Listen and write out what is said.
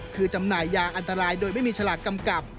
คือจำหน่ายยาอันตรายโดยไม่มีฉลากกำกับ